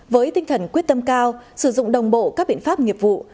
với tinh thần quyết tâm cao sử dụng đồng bộ các biện pháp nghiệp vụ